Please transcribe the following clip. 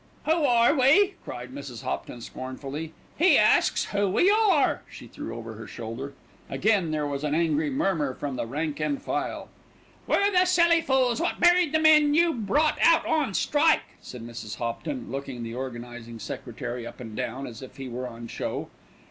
"Who are we?" cried Mrs. Hopton scornfully. "He asks who we are," she threw over her shoulder. Again there was an angry murmur from the rank and file. "We're the silly fools wot married the men you brought out on strike," said Mrs. Hopton, looking the organising secretary up and down as if he were on show.